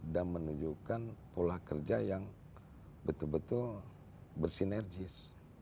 dan menunjukkan pola kerja yang betul betul bersinergis